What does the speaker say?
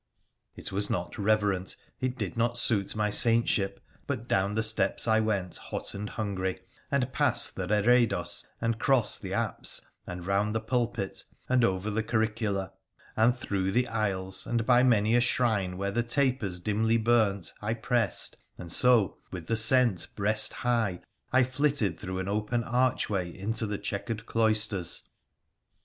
It was not reverent, it did not suit my saintship, but down the steps I went hot and hungry, and passed the reredos and crossed the apse, and round the pulpit, and over the curicula, and through the aisles, and by many a shrine where the tapers dimly burnt I pressed, and so, with the scent breast high, I flitted through an open archway into the chequered cloisters.